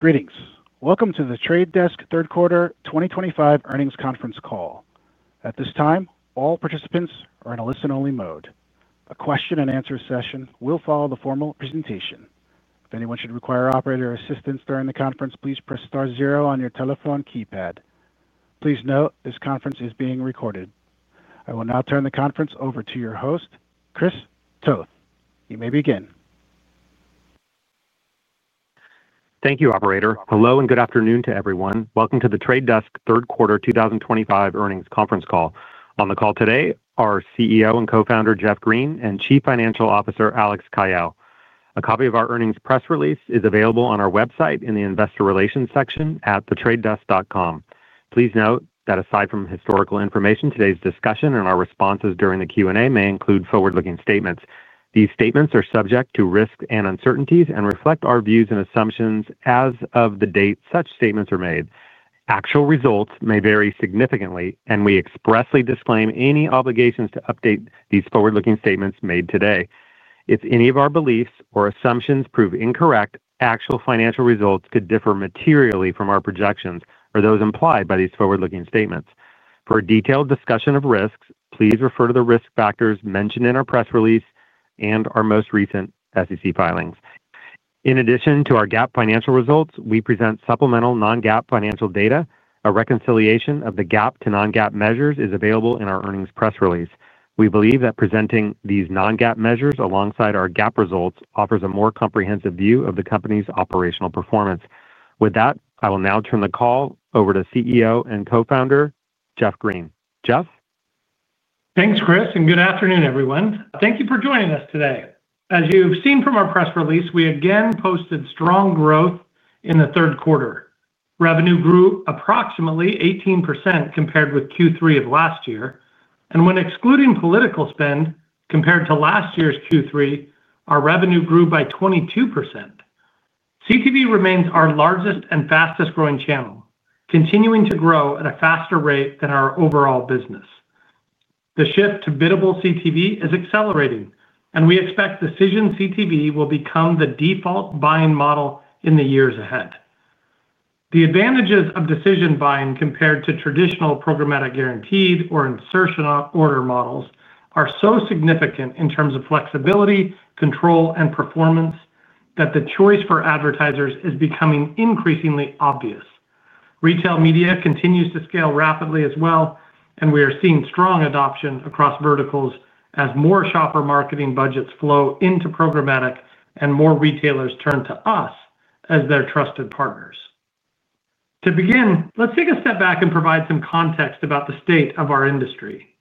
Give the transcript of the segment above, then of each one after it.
Greetings. Welcome to The Trade Desk Third Quarter 2025 Earnings Conference call. At this time, all participants are in a listen-only mode. A question-and-answer session will follow the formal presentation. If anyone should require operator assistance during the conference, please press star zero on your telephone keypad. Please note this conference is being recorded. I will now turn the conference over to your host, Chris Toth. You may begin. Thank you, Operator. Hello and good afternoon to everyone. Welcome to The Trade Desk Third Quarter 2025 Earnings Conference call. On the call today are CEO and Co-founder Jeff Green and Chief Financial Officer Alex Kayyal. A copy of our earnings press release is available on our website in the Investor Relations section at thetradedesk.com. Please note that aside from historical information, today's discussion and our responses during the Q&A may include forward-looking statements. These statements are subject to risk and uncertainties and reflect our views and assumptions as of the date such statements are made. Actual results may vary significantly, and we expressly disclaim any obligations to update these forward-looking statements made today. If any of our beliefs or assumptions prove incorrect, actual financial results could differ materially from our projections or those implied by these forward-looking statements. For a detailed discussion of risks, please refer to the risk factors mentioned in our press release and our most recent SEC filings. In addition to our GAAP financial results, we present supplemental non-GAAP financial data. A reconciliation of the GAAP to non-GAAP measures is available in our earnings press release. We believe that presenting these non-GAAP measures alongside our GAAP results offers a more comprehensive view of the company's operational performance. With that, I will now turn the call over to CEO and Co-founder Jeff Green. Jeff? Thanks, Chris, and good afternoon, everyone. Thank you for joining us today. As you've seen from our press release, we again posted strong growth in the third quarter. Revenue grew approximately 18% compared with Q3 of last year. When excluding political spend compared to last year's Q3, our revenue grew by 22%. CTV remains our largest and fastest-growing channel, continuing to grow at a faster rate than our overall business. The shift to biddable CTV is accelerating, and we expect decision CTV will become the default buying model in the years ahead. The advantages of decision buying compared to traditional programmatic guaranteed or insertional order models are so significant in terms of flexibility, control, and performance that the choice for advertisers is becoming increasingly obvious. Retail media continues to scale rapidly as well, and we are seeing strong adoption across verticals as more shopper marketing budgets flow into programmatic and more retailers turn to us as their trusted partners. To begin, let's take a step back and provide some context about the state of our industry.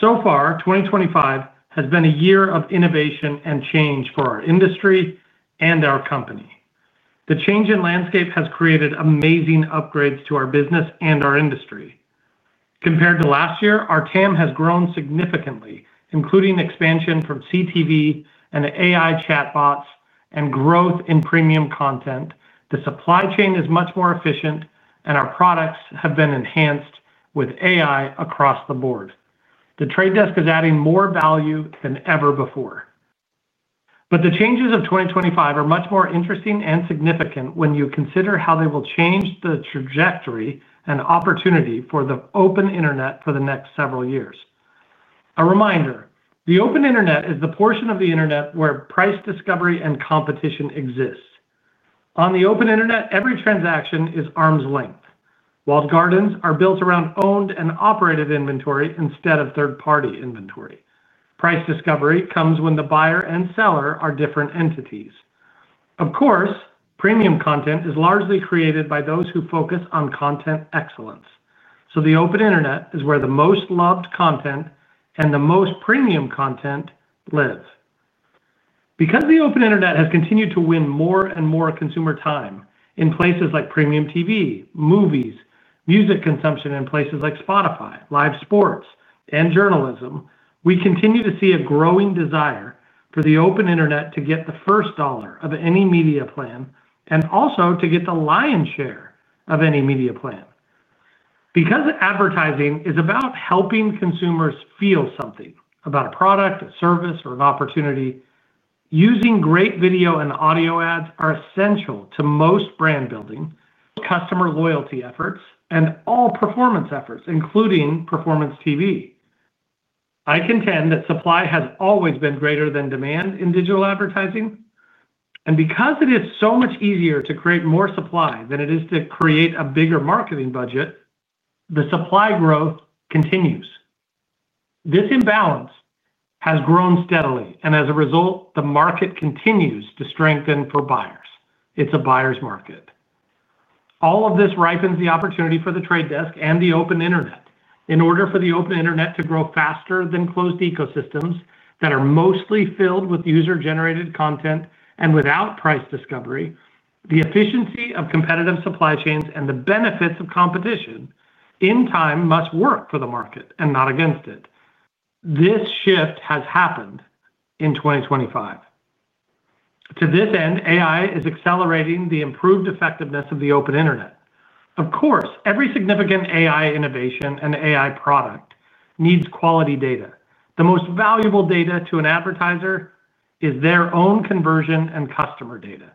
So far, 2025 has been a year of innovation and change for our industry and our company. The change in landscape has created amazing upgrades to our business and our industry. Compared to last year, our TAM has grown significantly, including expansion from CTV and AI chatbots and growth in premium content. The supply chain is much more efficient, and our products have been enhanced with AI across the board. The Trade Desk is adding more value than ever before. The changes of 2025 are much more interesting and significant when you consider how they will change the trajectory and opportunity for the open internet for the next several years. A reminder: the open internet is the portion of the internet where price discovery and competition exist. On the open internet, every transaction is arm's length. Walled gardens are built around owned and operated inventory instead of third-party inventory. Price discovery comes when the buyer and seller are different entities. Of course, premium content is largely created by those who focus on content excellence. The open internet is where the most loved content and the most premium content live. Because the open internet has continued to win more and more consumer time in places like premium TV, movies, music consumption in places like Spotify, live sports, and journalism, we continue to see a growing desire for the open internet to get the first dollar of any media plan and also to get the lion's share of any media plan. Because advertising is about helping consumers feel something about a product, a service, or an opportunity, using great video and audio ads are essential to most brand building, customer loyalty efforts, and all performance efforts, including performance TV. I contend that supply has always been greater than demand in digital advertising. Because it is so much easier to create more supply than it is to create a bigger marketing budget, the supply growth continues. This imbalance has grown steadily, and as a result, the market continues to strengthen for buyers. It is a buyer's market. All of this ripens the opportunity for The Trade Desk and the open internet. In order for the open internet to grow faster than closed ecosystems that are mostly filled with user-generated content and without price discovery, the efficiency of competitive supply chains and the benefits of competition in time must work for the market and not against it. This shift has happened in 2025. To this end, AI is accelerating the improved effectiveness of the open internet. Of course, every significant AI innovation and AI product needs quality data. The most valuable data to an advertiser is their own conversion and customer data.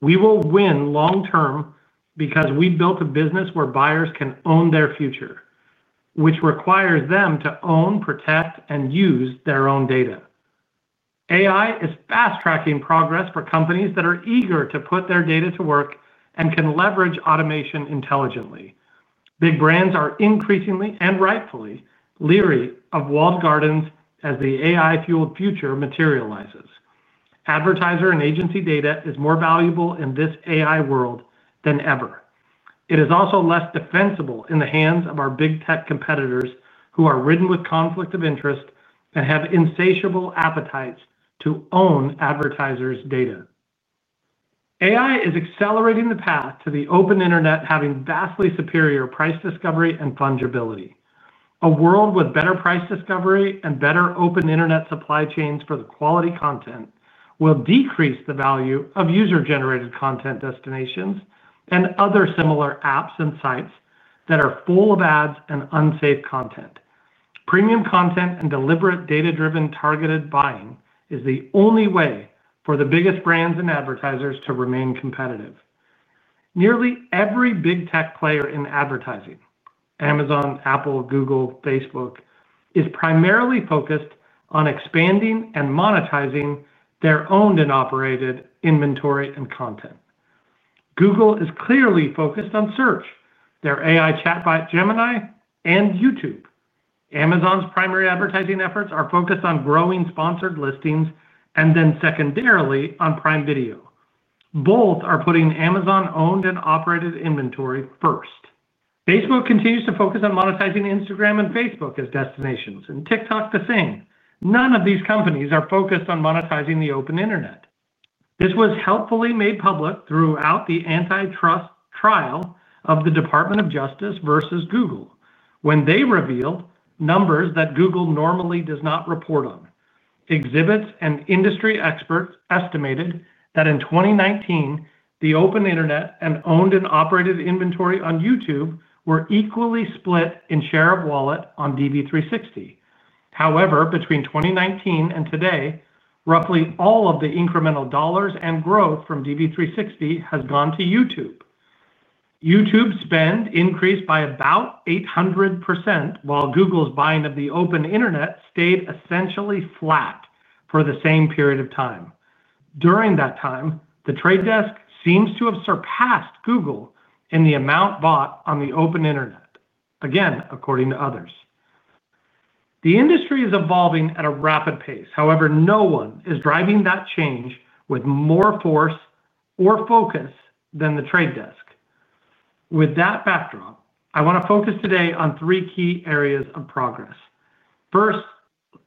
We will win long-term because we built a business where buyers can own their future. Which requires them to own, protect, and use their own data. AI is fast-tracking progress for companies that are eager to put their data to work and can leverage automation intelligently. Big brands are increasingly and rightfully leery of walled gardens as the AI-fueled future materializes. Advertiser and agency data is more valuable in this AI world than ever. It is also less defensible in the hands of our big tech competitors who are ridden with conflict of interest and have insatiable appetites to own advertisers' data. AI is accelerating the path to the open internet having vastly superior price discovery and fungibility. A world with better price discovery and better open internet supply chains for the quality content will decrease the value of user-generated content destinations and other similar apps and sites that are full of ads and unsafe content. Premium content and deliberate data-driven targeted buying is the only way for the biggest brands and advertisers to remain competitive. Nearly every big tech player in advertising, Amazon, Apple, Google, Facebook, is primarily focused on expanding and monetizing their owned and operated inventory and content. Google is clearly focused on search, their AI chatbot Gemini, and YouTube. Amazon's primary advertising efforts are focused on growing sponsored listings and then secondarily on Prime Video. Both are putting Amazon-owned and operated inventory first. Facebook continues to focus on monetizing Instagram and Facebook as destinations, and TikTok the same. None of these companies are focused on monetizing the open internet. This was helpfully made public throughout the antitrust trial of the Department of Justice v. Google when they revealed numbers that Google normally does not report on. Exhibits and industry experts estimated that in 2019, the open internet and owned and operated inventory on YouTube were equally split in share of wallet on DV360. However, between 2019 and today, roughly all of the incremental dollars and growth from DV360 has gone to YouTube. YouTube spend increased by about 800% while Google's buying of the open internet stayed essentially flat for the same period of time. During that time, The Trade Desk seems to have surpassed Google in the amount bought on the open internet, again, according to others. The industry is evolving at a rapid pace. However, no one is driving that change with more force or focus than The Trade Desk. With that backdrop, I want to focus today on three key areas of progress. First,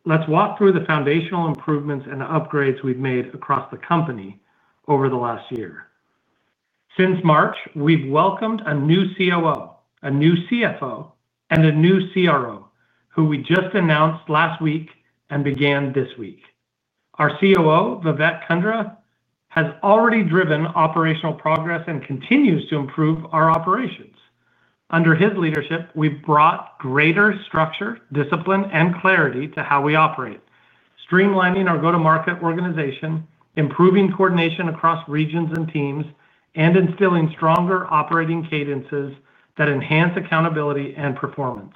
let's walk through the foundational improvements and upgrades we've made across the company over the last year. Since March, we've welcomed a new COO, a new CFO, and a new CRO, who we just announced last week and began this week. Our COO, Vivek Kundra, has already driven operational progress and continues to improve our operations. Under his leadership, we have brought greater structure, discipline, and clarity to how we operate, streamlining our go-to-market organization, improving coordination across regions and teams, and instilling stronger operating cadences that enhance accountability and performance.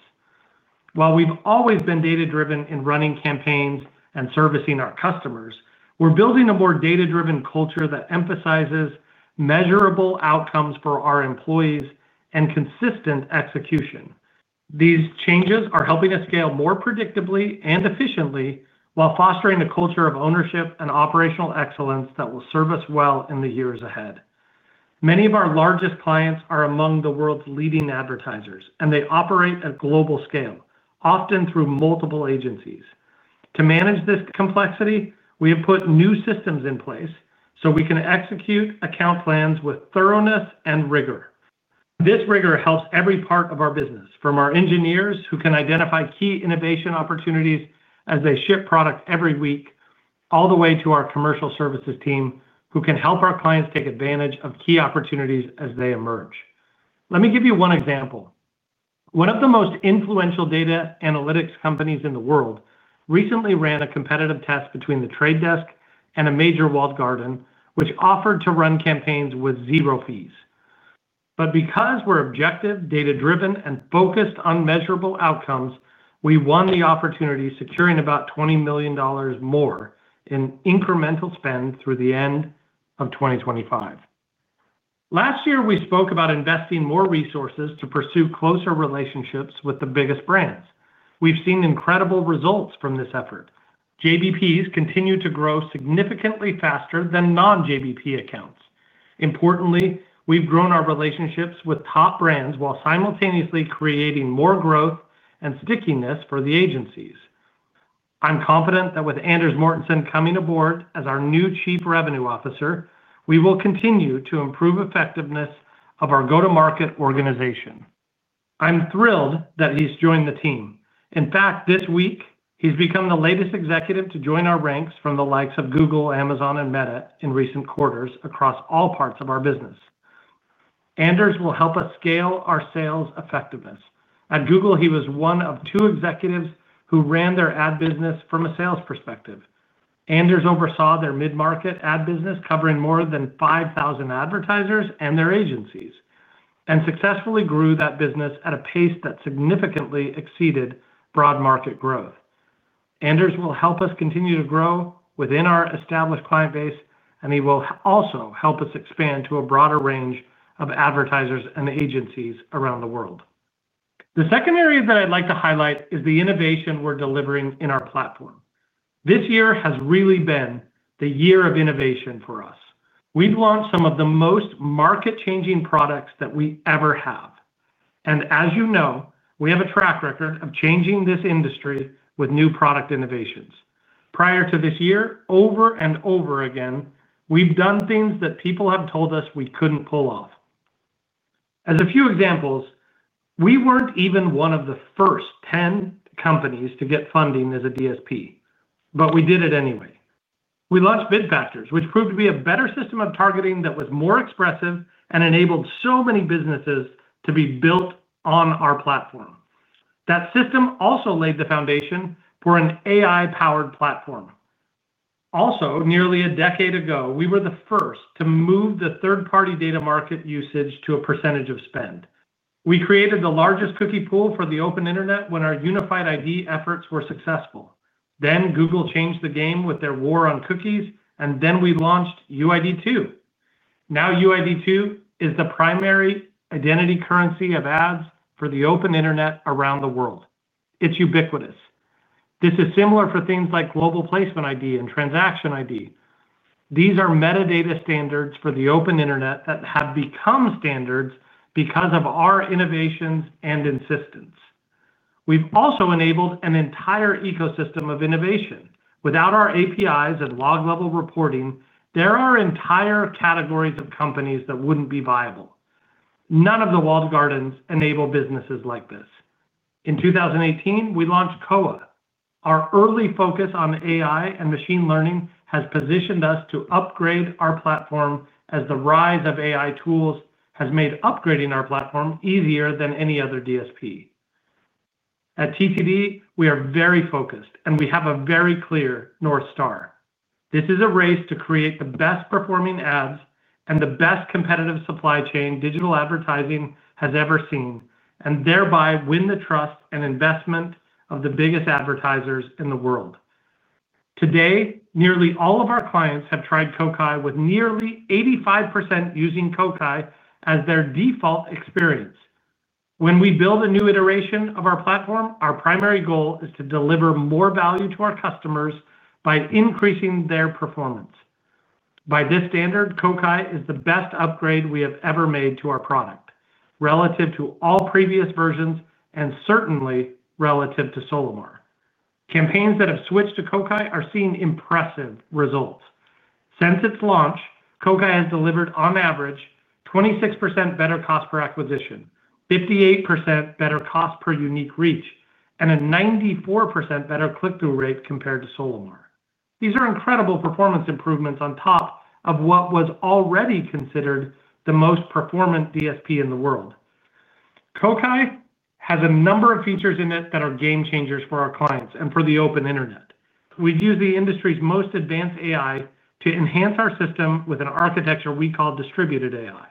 While we have always been data-driven in running campaigns and servicing our customers, we are building a more data-driven culture that emphasizes measurable outcomes for our employees and consistent execution. These changes are helping us scale more predictably and efficiently while fostering a culture of ownership and operational excellence that will serve us well in the years ahead. Many of our largest clients are among the world's leading advertisers, and they operate at global scale, often through multiple agencies. To manage this complexity, we have put new systems in place so we can execute account plans with thoroughness and rigor. This rigor helps every part of our business, from our engineers who can identify key innovation opportunities as they ship product every week, all the way to our commercial services team who can help our clients take advantage of key opportunities as they emerge. Let me give you one example. One of the most influential data analytics companies in the world recently ran a competitive test between The Trade Desk and a major walled garden, which offered to run campaigns with zero fees. Because we are objective, data-driven, and focused on measurable outcomes, we won the opportunity, securing about $20 million more in incremental spend through the end of 2025. Last year, we spoke about investing more resources to pursue closer relationships with the biggest brands. We have seen incredible results from this effort. JBPs continue to grow significantly faster than non-JBP accounts. Importantly, we've grown our relationships with top brands while simultaneously creating more growth and stickiness for the agencies. I'm confident that with Anders Mortensen coming aboard as our new Chief Revenue Officer, we will continue to improve the effectiveness of our go-to-market organization. I'm thrilled that he's joined the team. In fact, this week, he's become the latest executive to join our ranks from the likes of Google, Amazon, and Meta in recent quarters across all parts of our business. Anders will help us scale our sales effectiveness. At Google, he was one of two executives who ran their ad business from a sales perspective. Anders oversaw their mid-market ad business, covering more than 5,000 advertisers and their agencies, and successfully grew that business at a pace that significantly exceeded broad market growth. Anders will help us continue to grow within our established client base, and he will also help us expand to a broader range of advertisers and agencies around the world. The second area that I'd like to highlight is the innovation we're delivering in our platform. This year has really been the year of innovation for us. We've launched some of the most market-changing products that we ever have. As you know, we have a track record of changing this industry with new product innovations. Prior to this year, over and over again, we've done things that people have told us we couldn't pull off. As a few examples, we weren't even one of the first 10 companies to get funding as a DSP, but we did it anyway. We launched bid factors, which proved to be a better system of targeting that was more expressive and enabled so many businesses to be built on our platform. That system also laid the foundation for an AI-powered platform. Also, nearly a decade ago, we were the first to move the third-party data market usage to a percentage of spend. We created the largest cookie pool for the open internet when our unified ID efforts were successful. Google changed the game with their war on cookies, and we launched UID2. Now UID2 is the primary identity currency of ads for the open internet around the world. It's ubiquitous. This is similar for things like global placement ID and transaction ID. These are metadata standards for the open internet that have become standards because of our innovations and insistence. We've also enabled an entire ecosystem of innovation. Without our APIs and log-level reporting, there are entire categories of companies that would not be viable. None of the walled gardens enable businesses like this. In 2018, we launched Koa. Our early focus on AI and machine learning has positioned us to upgrade our platform as the rise of AI tools has made upgrading our platform easier than any other DSP. At TTD, we are very focused, and we have a very clear North Star. This is a race to create the best-performing ads and the best competitive supply chain digital advertising has ever seen, and thereby win the trust and investment of the biggest advertisers in the world. Today, nearly all of our clients have tried Kokai, with nearly 85% using Kokai as their default experience. When we build a new iteration of our platform, our primary goal is to deliver more value to our customers by increasing their performance. By this standard, Kokai is the best upgrade we have ever made to our product, relative to all previous versions and certainly relative to Solimar. Campaigns that have switched to Kokai are seeing impressive results. Since its launch, Kokai has delivered, on average, 26% better cost per acquisition, 58% better cost per unique reach, and a 94% better click-through rate compared to Solimar. These are incredible performance improvements on top of what was already considered the most performant DSP in the world. Kokai has a number of features in it that are game changers for our clients and for the open internet. We have used the industry's most advanced AI to enhance our system with an architecture we call distributed AI.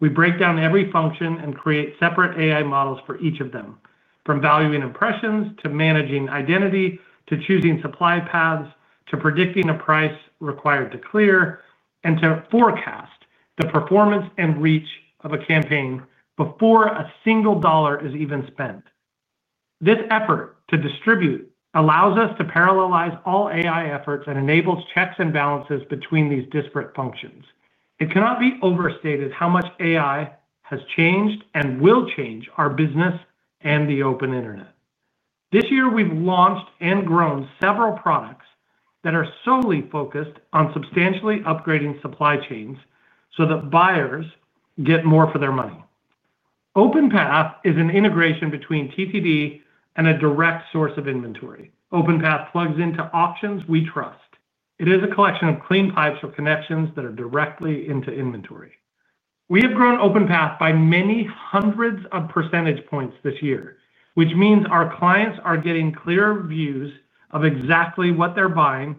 We break down every function and create separate AI models for each of them, from valuing impressions to managing identity to choosing supply paths to predicting a price required to clear and to forecast the performance and reach of a campaign before a single dollar is even spent. This effort to distribute allows us to parallelize all AI efforts and enables checks and balances between these disparate functions. It cannot be overstated how much AI has changed and will change our business and the open internet. This year, we've launched and grown several products that are solely focused on substantially upgrading supply chains so that buyers get more for their money. OpenPath is an integration between TTD and a direct source of inventory. OpenPath plugs into options we trust. It is a collection of clean pipes or connections that are directly into inventory. We have grown OpenPath by many hundreds of percentage points this year, which means our clients are getting clearer views of exactly what they're buying,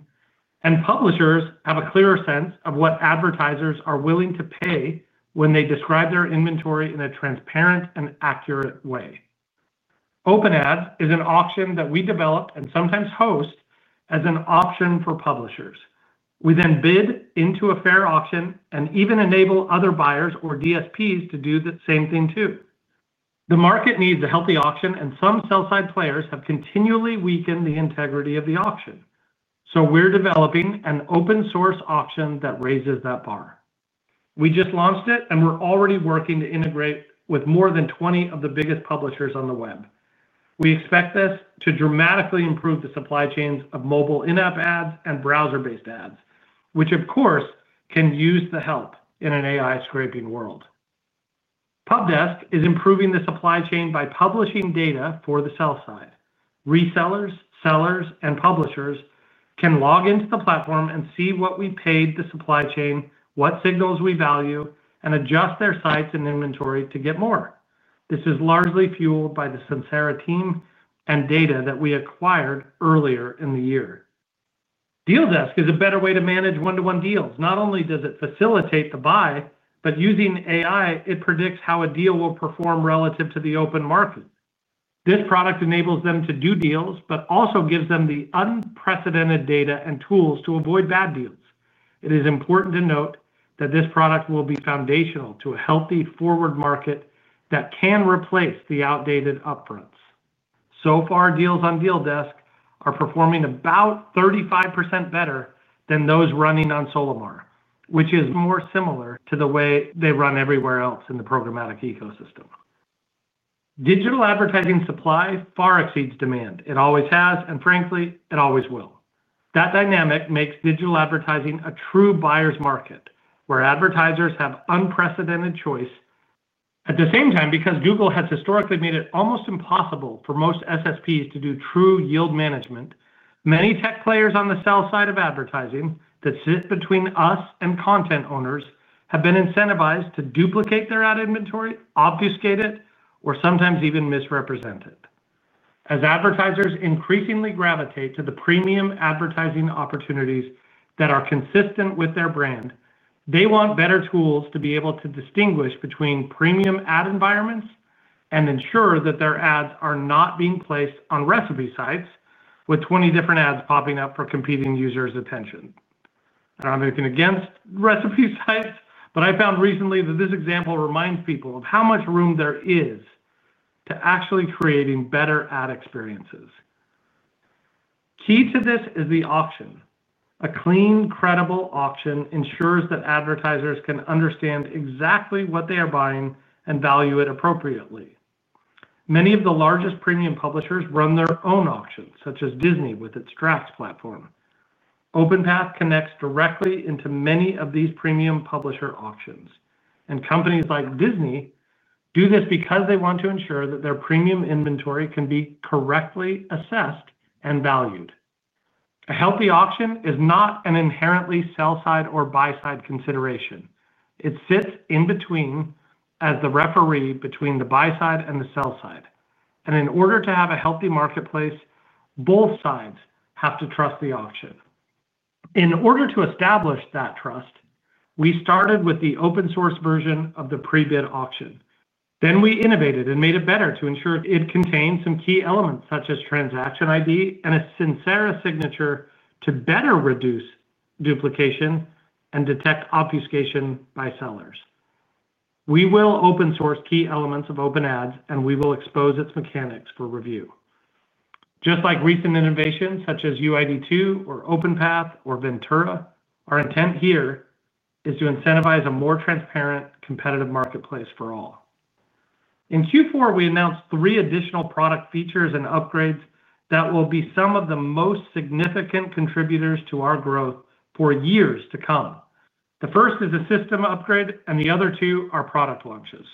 and publishers have a clearer sense of what advertisers are willing to pay when they describe their inventory in a transparent and accurate way. OpenAds is an auction that we develop and sometimes host as an option for publishers. We then bid into a fair auction and even enable other buyers or DSPs to do the same thing too. The market needs a healthy auction, and some sell-side players have continually weakened the integrity of the auction. We are developing an open-source auction that raises that bar. We just launched it, and we are already working to integrate with more than 20 of the biggest publishers on the web. We expect this to dramatically improve the supply chains of mobile in-app ads and browser-based ads, which, of course, can use the help in an AI-scraping world. PubDesk is improving the supply chain by publishing data for the sell-side. Resellers, sellers, and publishers can log into the platform and see what we paid the supply chain, what signals we value, and adjust their sites and inventory to get more. This is largely fueled by the Sincera team and data that we acquired earlier in the year. Deal Desk is a better way to manage one-to-one deals. Not only does it facilitate the buy, but using AI, it predicts how a deal will perform relative to the open market. This product enables them to do deals, but also gives them the unprecedented data and tools to avoid bad deals. It is important to note that this product will be foundational to a healthy forward market that can replace the outdated upfronts. So far, deals on Deal Desk are performing about 35% better than those running on Solimar, which is more similar to the way they run everywhere else in the programmatic ecosystem. Digital advertising supply far exceeds demand. It always has, and frankly, it always will. That dynamic makes digital advertising a true buyer's market, where advertisers have unprecedented choice. At the same time, because Google has historically made it almost impossible for most SSPs to do true yield management, many tech players on the sell-side of advertising that sit between us and content owners have been incentivized to duplicate their ad inventory, obfuscate it, or sometimes even misrepresent it. As advertisers increasingly gravitate to the premium advertising opportunities that are consistent with their brand, they want better tools to be able to distinguish between premium ad environments and ensure that their ads are not being placed on recipe sites with 20 different ads popping up for competing users' attention. I do not have anything against recipe sites, but I found recently that this example reminds people of how much room there is to actually creating better ad experiences. Key to this is the auction. A clean, credible auction ensures that advertisers can understand exactly what they are buying and value it appropriately. Many of the largest premium publishers run their own auctions, such as Disney with its Draft platform. OpenPath connects directly into many of these premium publisher auctions, and companies like Disney do this because they want to ensure that their premium inventory can be correctly assessed and valued. A healthy auction is not an inherently sell-side or buy-side consideration. It sits in between as the referee between the buy-side and the sell-side. In order to have a healthy marketplace, both sides have to trust the auction. In order to establish that trust, we started with the open-source version of the pre-bid auction. We innovated and made it better to ensure it contained some key elements, such as transaction ID and a Sincera signature, to better reduce duplication and detect obfuscation by sellers. We will open-source key elements of OpenAds, and we will expose its mechanics for review. Just like recent innovations such as UID2 or OpenPath or Ventura, our intent here is to incentivize a more transparent, competitive marketplace for all. In Q4, we announced three additional product features and upgrades that will be some of the most significant contributors to our growth for years to come. The first is a system upgrade, and the other two are product launches.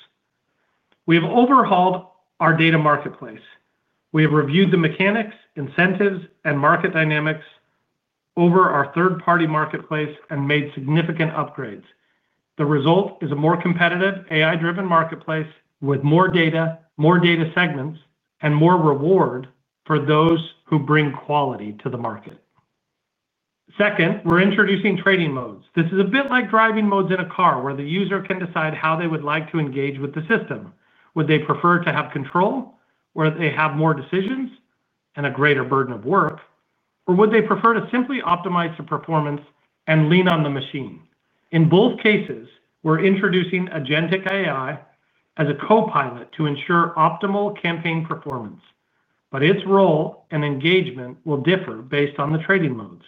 We have overhauled our data marketplace. We have reviewed the mechanics, incentives, and market dynamics over our third-party marketplace and made significant upgrades. The result is a more competitive, AI-driven marketplace with more data, more data segments, and more reward for those who bring quality to the market. Second, we're introducing trading modes. This is a bit like driving modes in a car, where the user can decide how they would like to engage with the system. Would they prefer to have control, where they have more decisions and a greater burden of work, or would they prefer to simply optimize the performance and lean on the machine? In both cases, we're introducing agentic AI as a co-pilot to ensure optimal campaign performance, but its role and engagement will differ based on the trading modes.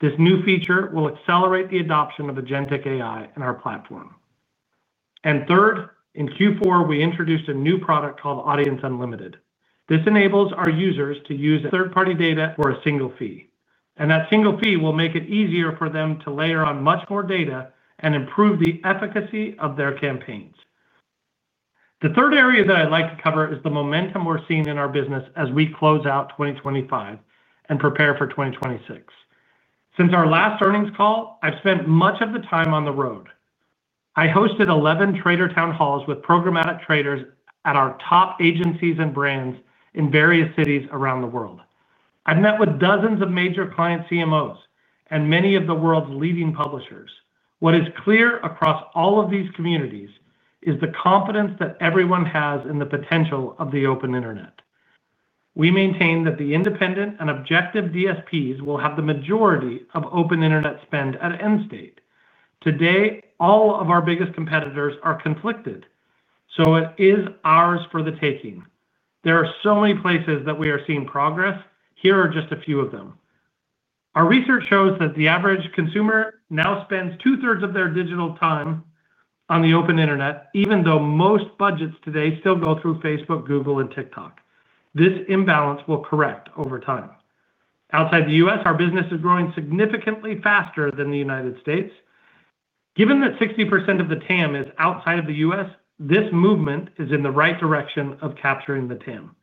This new feature will accelerate the adoption of agentic AI in our platform. Third, in Q4, we introduced a new product called Audience Unlimited. This enables our users to use third-party data for a single fee. That single fee will make it easier for them to layer on much more data and improve the efficacy of their campaigns. The third area that I'd like to cover is the momentum we're seeing in our business as we close out 2025 and prepare for 2026. Since our last earnings call, I've spent much of the time on the road. I hosted 11 trader town halls with programmatic traders at our top agencies and brands in various cities around the world. I've met with dozens of major client CMOs and many of the world's leading publishers. What is clear across all of these communities is the confidence that everyone has in the potential of the open internet. We maintain that the independent and objective DSPs will have the majority of open internet spend at end state. Today, all of our biggest competitors are conflicted, so it is ours for the taking. There are so many places that we are seeing progress. Here are just a few of them. Our research shows that the average consumer now spends two-thirds of their digital time on the open internet, even though most budgets today still go through Facebook, Google, and TikTok. This imbalance will correct over time. Outside the U.S., our business is growing significantly faster than the United States. Given that 60% of the TAM is outside of the U.S., this movement is in the right direction of capturing the TAM.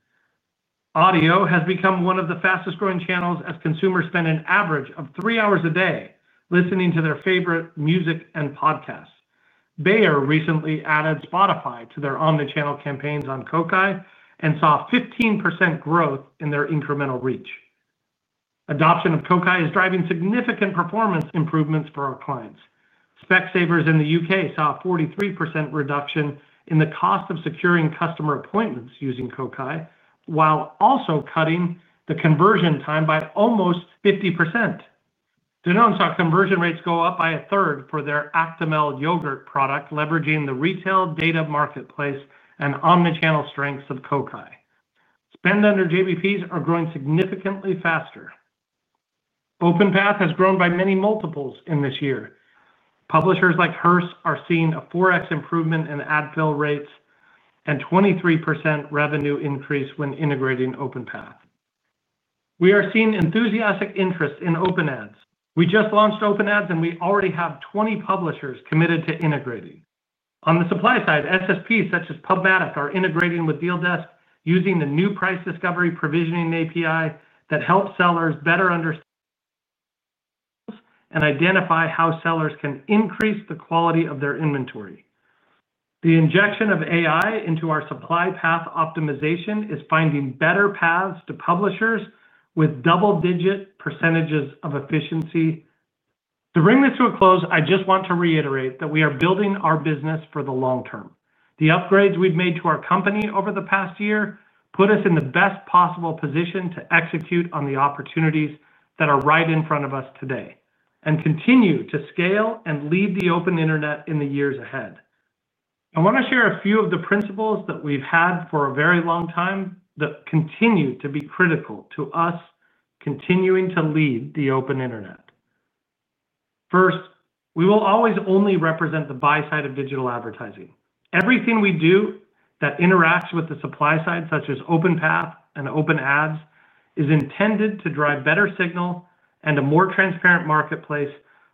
Audio has become one of the fastest-growing channels as consumers spend an average of three hours a day listening to their favorite music and podcasts. Bayer recently added Spotify to their omnichannel campaigns on Kokai and saw 15% growth in their incremental reach. Adoption of Kokai is driving significant performance improvements for our clients. Specsavers in the U.K. saw a 43% reduction in the cost of securing customer appointments using Kokai, while also cutting the conversion time by almost 50%. Danone saw conversion rates go up by 1/3 for their Actimel yogurt product, leveraging the retail data marketplace and omnichannel strengths of Kokai. Spend under JBPs is growing significantly faster. OpenPath has grown by many multiples in this year. Publishers like Hearst are seeing a 4x improvement in ad fill rates and a 23% revenue increase when integrating OpenPath. We are seeing enthusiastic interest in OpenAds. We just launched OpenAds, and we already have 20 publishers committed to integrating. On the supply side, SSPs such as PubMatic are integrating with Deal Desk using the new price discovery provisioning API that helps sellers better understand and identify how sellers can increase the quality of their inventory. The injection of AI into our supply path optimization is finding better paths to publishers with double-digit percentages of efficiency. To bring this to a close, I just want to reiterate that we are building our business for the long term. The upgrades we have made to our company over the past year put us in the best possible position to execute on the opportunities that are right in front of us today and continue to scale and lead the open internet in the years ahead. I want to share a few of the principles that we have had for a very long time that continue to be critical to us. Continuing to lead the open internet. First, we will always only represent the buy side of digital advertising. Everything we do that interacts with the supply side, such as OpenPath and OpenAds, is intended to drive better signal and a more transparent marketplace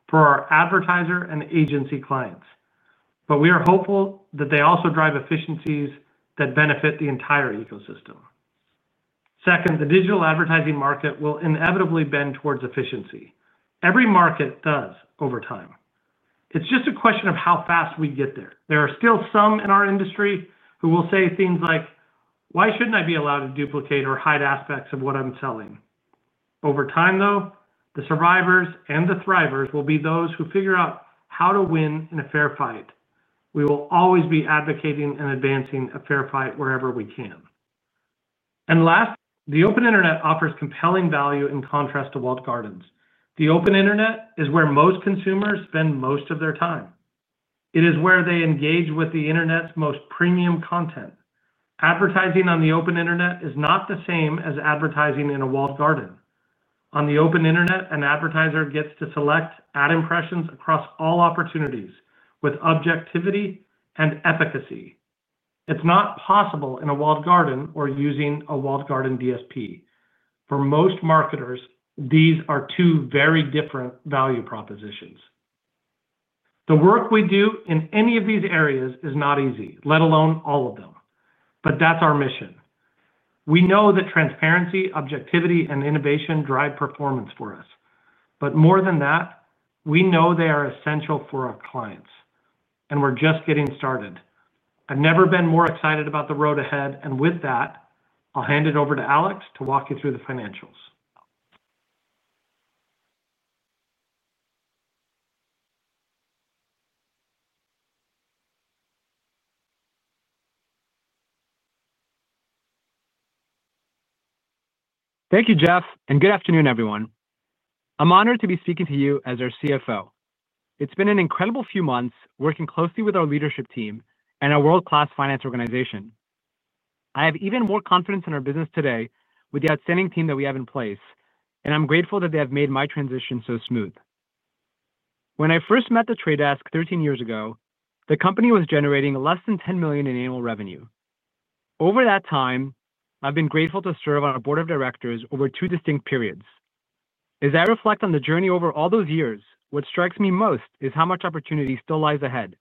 for our advertiser and agency clients. We are hopeful that they also drive efficiencies that benefit the entire ecosystem. Second, the digital advertising market will inevitably bend towards efficiency. Every market does over time. It's just a question of how fast we get there. There are still some in our industry who will say things like, "Why shouldn't I be allowed to duplicate or hide aspects of what I'm selling?" Over time, though, the survivors and the thrivers will be those who figure out how to win in a fair fight. We will always be advocating and advancing a fair fight wherever we can. Last, the open internet offers compelling value in contrast to walled gardens. The open internet is where most consumers spend most of their time. It is where they engage with the internet's most premium content. Advertising on the open internet is not the same as advertising in a walled garden. On the open internet, an advertiser gets to select ad impressions across all opportunities with objectivity and efficacy. It's not possible in a walled garden or using a walled garden DSP. For most marketers, these are two very different value propositions. The work we do in any of these areas is not easy, let alone all of them. That is our mission. We know that transparency, objectivity, and innovation drive performance for us. More than that, we know they are essential for our clients. We're just getting started. I've never been more excited about the road ahead. With that, I'll hand it over to Alex to walk you through the financials. Thank you, Jeff, and good afternoon, everyone. I'm honored to be speaking to you as our CFO. It's been an incredible few months working closely with our leadership team and our world-class finance organization. I have even more confidence in our business today with the outstanding team that we have in place, and I'm grateful that they have made my transition so smooth. When I first met The Trade Desk 13 years ago, the company was generating less than $10 million in annual revenue. Over that time, I've been grateful to serve on our board of directors over two distinct periods. As I reflect on the journey over all those years, what strikes me most is how much opportunity still lies ahead,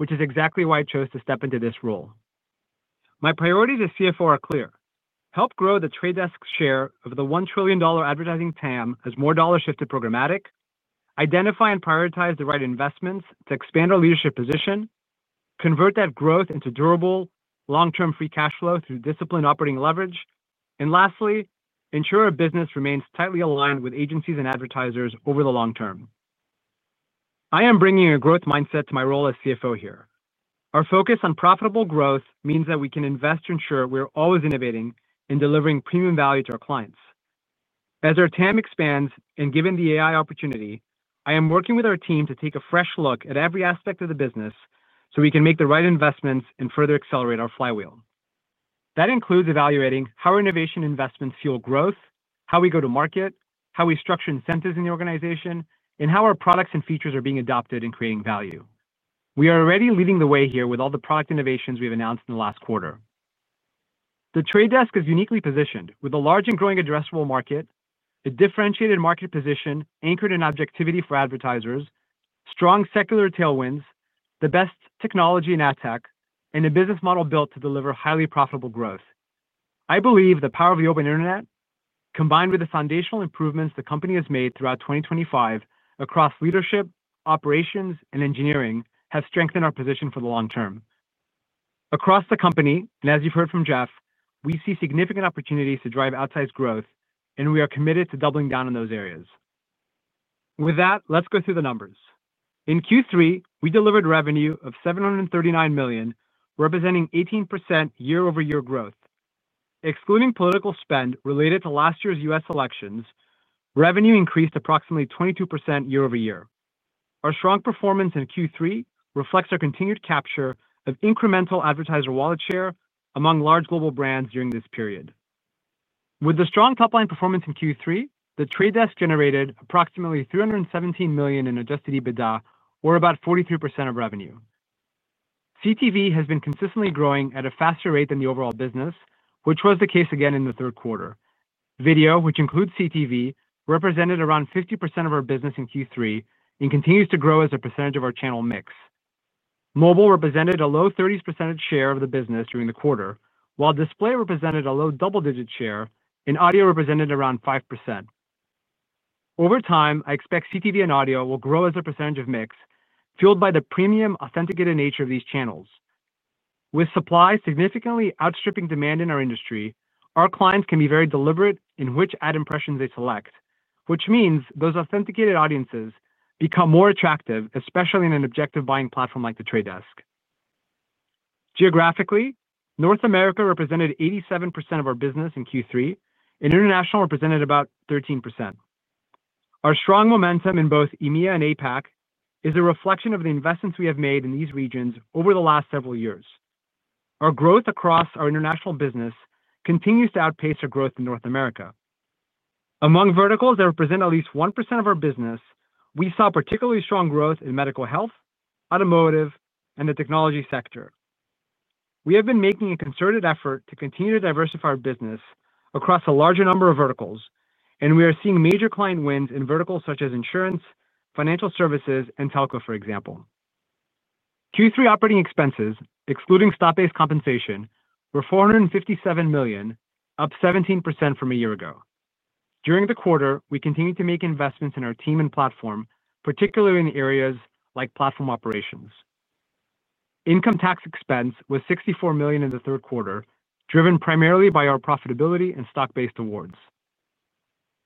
which is exactly why I chose to step into this role. My priorities as CFO are clear: help grow The Trade Desk's share of the $1 trillion advertising TAM as more dollars shift to programmatic, identify and prioritize the right investments to expand our leadership position. Convert that growth into durable, long-term free cash flow through disciplined operating leverage, and lastly, ensure our business remains tightly aligned with agencies and advertisers over the long term. I am bringing a growth mindset to my role as CFO here. Our focus on profitable growth means that we can invest to ensure we're always innovating and delivering premium value to our clients. As our TAM expands and given the AI opportunity, I am working with our team to take a fresh look at every aspect of the business so we can make the right investments and further accelerate our flywheel. That includes evaluating how our innovation investments fuel growth, how we go to market, how we structure incentives in the organization, and how our products and features are being adopted and creating value. We are already leading the way here with all the product innovations we've announced in the last quarter. The Trade Desk is uniquely positioned with a large and growing addressable market, a differentiated market position anchored in objectivity for advertisers, strong secular tailwinds, the best technology in ad tech, and a business model built to deliver highly profitable growth. I believe the power of the open internet, combined with the foundational improvements the company has made throughout 2025 across leadership, operations, and engineering, has strengthened our position for the long term. Across the company, and as you've heard from Jeff, we see significant opportunities to drive outsized growth, and we are committed to doubling down in those areas. With that, let's go through the numbers. In Q3, we delivered revenue of $739 million, representing 18% year-over-year growth. Excluding political spend related to last year's US elections, revenue increased approximately 22% year-over-year. Our strong performance in Q3 reflects our continued capture of incremental advertiser wallet share among large global brands during this period. With the strong top-line performance in Q3, The Trade Desk generated approximately $317 million in adjusted EBITDA, or about 43% of revenue. CTV has been consistently growing at a faster rate than the overall business, which was the case again in the third quarter. Video, which includes CTV, represented around 50% of our business in Q3 and continues to grow as a percentage of our channel mix. Mobile represented a low 30% share of the business during the quarter, while display represented a low double-digit share, and audio represented around 5%. Over time, I expect CTV and audio will grow as a percentage of mix, fueled by the premium authenticated nature of these channels. With supply significantly outstripping demand in our industry, our clients can be very deliberate in which ad impressions they select, which means those authenticated audiences become more attractive, especially in an objective buying platform like The Trade Desk. Geographically, North America represented 87% of our business in Q3, and international represented about 13%. Our strong momentum in both EMEA and APAC is a reflection of the investments we have made in these regions over the last several years. Our growth across our international business continues to outpace our growth in North America. Among verticals that represent at least 1% of our business, we saw particularly strong growth in medical health, automotive, and the technology sector. We have been making a concerted effort to continue to diversify our business across a larger number of verticals, and we are seeing major client wins in verticals such as insurance, financial services, and telco, for example. Q3 operating expenses, excluding stock-based compensation, were $457 million, up 17% from a year ago. During the quarter, we continued to make investments in our team and platform, particularly in areas like platform operations. Income tax expense was $64 million in the third quarter, driven primarily by our profitability and stock-based awards.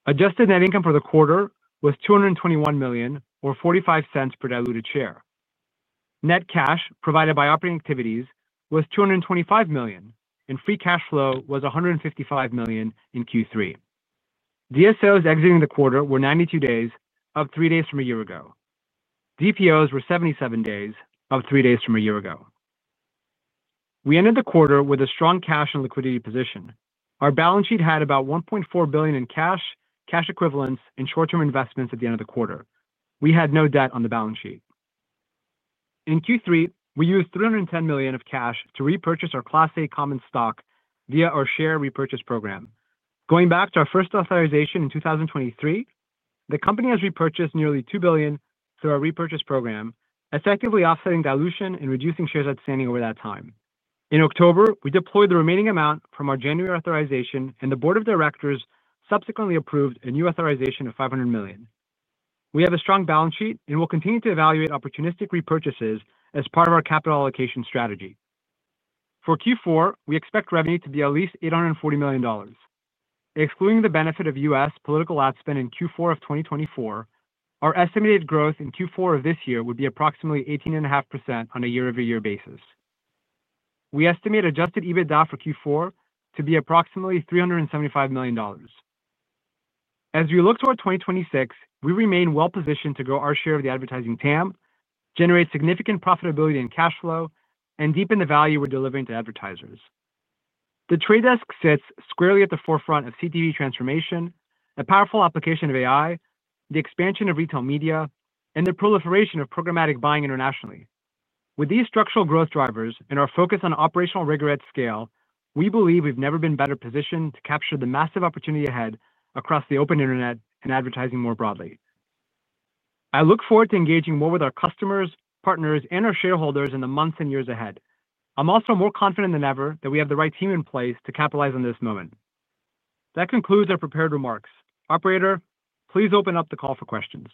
Adjusted net income for the quarter was $221 million, or $0.45 per diluted share. Net cash provided by operating activities was $225 million, and free cash flow was $155 million in Q3. DSOs exiting the quarter were 92 days, up three days from a year ago. DPOs were 77 days, up three days from a year ago. We ended the quarter with a strong cash and liquidity position. Our balance sheet had about $1.4 billion in cash, cash equivalents, and short-term investments at the end of the quarter. We had no debt on the balance sheet. In Q3, we used $310 million of cash to repurchase our Class A common stock via our share repurchase program. Going back to our first authorization in 2023, the company has repurchased nearly $2 billion through our repurchase program, effectively offsetting dilution and reducing shares outstanding over that time. In October, we deployed the remaining amount from our January authorization, and the board of directors subsequently approved a new authorization of $500 million. We have a strong balance sheet and will continue to evaluate opportunistic repurchases as part of our capital allocation strategy. For Q4, we expect revenue to be at least $840 million. Excluding the benefit of U.S. political ad spend in Q4 of 2024, our estimated growth in Q4 of this year would be approximately 18.5% on a year-over-year basis. We estimate adjusted EBITDA for Q4 to be approximately $375 million. As we look toward 2026, we remain well-positioned to grow our share of the advertising TAM, generate significant profitability and cash flow, and deepen the value we're delivering to advertisers. The Trade Desk sits squarely at the forefront of CTV transformation, a powerful application of AI, the expansion of retail media, and the proliferation of programmatic buying internationally. With these structural growth drivers and our focus on operational rigor at scale, we believe we've never been better positioned to capture the massive opportunity ahead across the open internet and advertising more broadly. I look forward to engaging more with our customers, partners, and our shareholders in the months and years ahead. I'm also more confident than ever that we have the right team in place to capitalize on this moment. That concludes our prepared remarks. Operator, please open up the call for questions.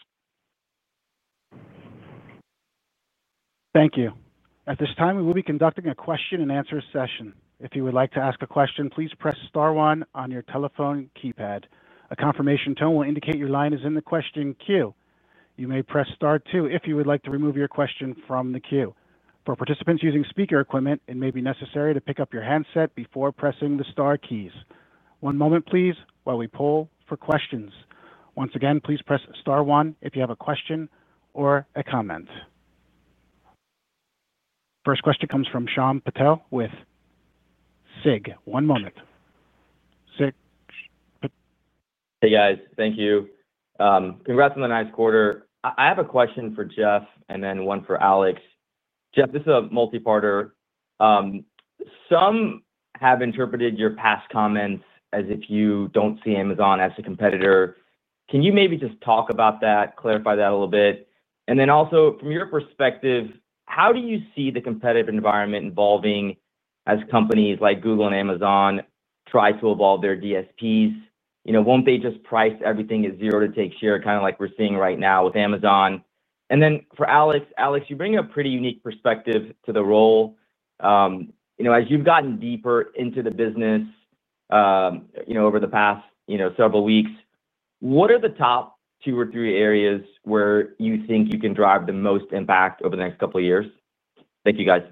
Thank you. At this time, we will be conducting a question-and-answer session. If you would like to ask a question, please press Star 1 on your telephone keypad. A confirmation tone will indicate your line is in the question queue. You may press Star 2 if you would like to remove your question from the queue. For participants using speaker equipment, it may be necessary to pick up your handset before pressing the Star keys. One moment, please, while we poll for questions. Once again, please press Star 1 if you have a question or a comment. First question comes from Shyam Patil with SIG. One moment. SIG. Hey, guys. Thank you. Congrats on the ninth quarter. I have a question for Jeff and then one for Alex. Jeff, this is a multi-parter. Some have interpreted your past comments as if you do not see Amazon as a competitor. Can you maybe just talk about that, clarify that a little bit? Also, from your perspective, how do you see the competitive environment evolving as companies like Google and Amazon try to evolve their DSPs? Will they not just price everything at zero to take share, kind of like we are seeing right now with Amazon? For Alex, you bring a pretty unique perspective to the role. As you have gotten deeper into the business over the past several weeks, what are the top two or three areas where you think you can drive the most impact over the next couple of years? Thank you, guys.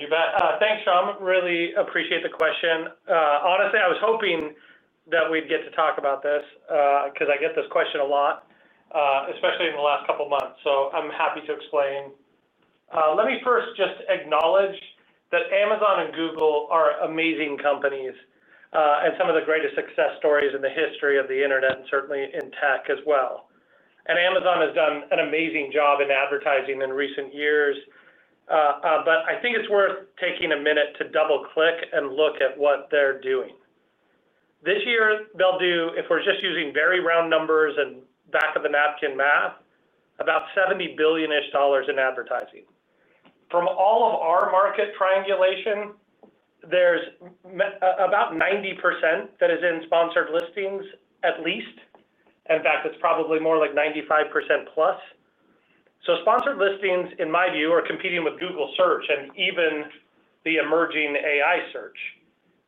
You bet. Thanks, Shyam. Really appreciate the question. Honestly, I was hoping that we'd get to talk about this because I get this question a lot, especially in the last couple of months. I am happy to explain. Let me first just acknowledge that Amazon and Google are amazing companies and some of the greatest success stories in the history of the internet and certainly in tech as well. Amazon has done an amazing job in advertising in recent years. I think it is worth taking a minute to double-click and look at what they are doing. This year, they will do, if we are just using very round numbers and back-of-the-napkin math, about $70 billion-ish in advertising. From all of our market triangulation, there is about 90% that is in sponsored listings at least. In fact, it is probably more like 95%+. Sponsored listings, in my view, are competing with Google Search and even the emerging AI search.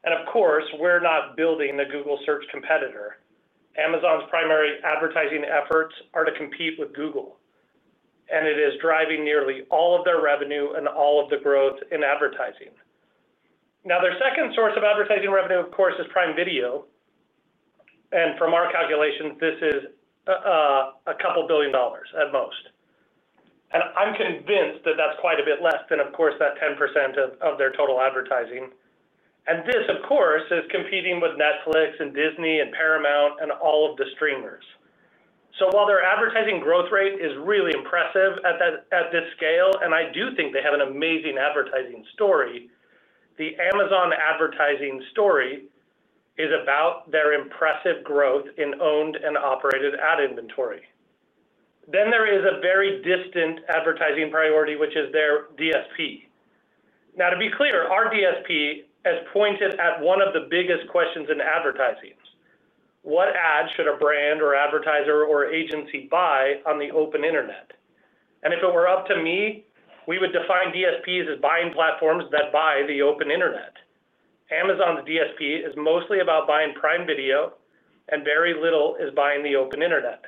Of course, we're not building the Google Search competitor. Amazon's primary advertising efforts are to compete with Google, and it is driving nearly all of their revenue and all of the growth in advertising. Their second source of advertising revenue, of course, is Prime Video. From our calculations, this is a couple of billion dollars at most. I'm convinced that that's quite a bit less than, of course, that 10% of their total advertising. This, of course, is competing with Netflix and Disney and Paramount and all of the streamers. While their advertising growth rate is really impressive at this scale, and I do think they have an amazing advertising story, the Amazon advertising story is about their impressive growth in owned and operated ad inventory. There is a very distant advertising priority, which is their DSP. Now, to be clear, our DSP has pointed at one of the biggest questions in advertising. What ad should a brand or advertiser or agency buy on the open internet? If it were up to me, we would define DSPs as buying platforms that buy the open internet. Amazon's DSP is mostly about buying Prime Video, and very little is buying the open internet.